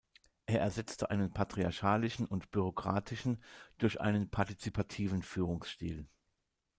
Er ersetzte einen patriarchalischen und bürokratischen durch einen partizipativen Führungsstil.